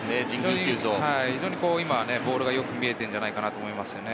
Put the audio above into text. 非常にボールがよく見えているのではないかと思いますね。